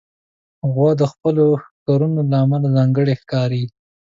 غوا د خپلو ښکرونو له امله ځانګړې ښکاري.